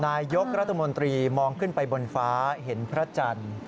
นายกรัฐมนตรีมองขึ้นไปบนฟ้าเห็นพระจันทร์